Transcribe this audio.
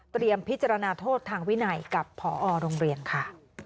พิจารณาโทษทางวินัยกับพอโรงเรียนค่ะ